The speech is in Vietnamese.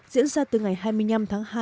diễn ra từ ngày hai mươi năm tháng hai